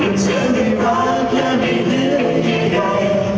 ว่าเธอได้รักแล้วไม่เหลือใหญ่